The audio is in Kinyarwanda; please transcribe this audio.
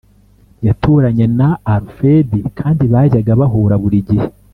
yaturanye na Alfred kandi bajyaga bahura buri gihe